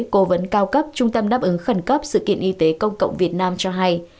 cố vấn cao cấp trung tâm đáp ứng khẩn cấp sự kiện y tế công cộng việt nam cho hay